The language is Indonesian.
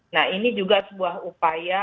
nah ini juga sebuah upaya